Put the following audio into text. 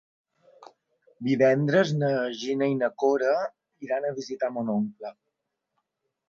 Divendres na Gina i na Cora iran a visitar mon oncle.